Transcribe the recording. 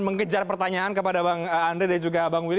mengejar pertanyaan kepada bang andre dan juga bang will